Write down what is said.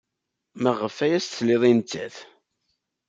Maɣef ay as-tesliḍ i nettat?